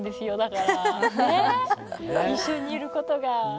一緒にいることが。